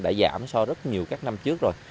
đã giảm so với rất nhiều năm trước rồi